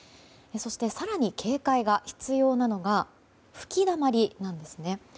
そして、更に警戒が必要なのが吹きだまりなんですね。